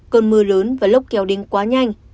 cơn mưa lớn và lốc kéo đến quá nhanh